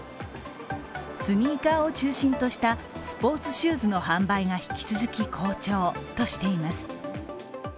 スニーカーを中心としたスポーツシューズの販売が引き続き好調としています。